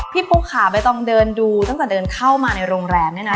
ปุ๊กค่ะใบตองเดินดูตั้งแต่เดินเข้ามาในโรงแรมเนี่ยนะ